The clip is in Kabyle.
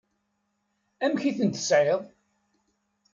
Amek i ten-tesεiḍ?